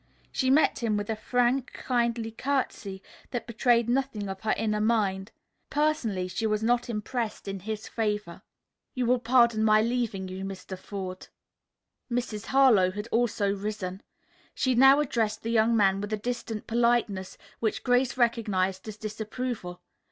She met him with a frank, kindly courtesy that betrayed nothing of her inner mind. Personally, she was not impressed in his favor. "You will pardon my leaving you, Mr. Forde?" Mrs. Harlowe had also risen. She now addressed the young man with a distant politeness which Grace recognized as disapproval.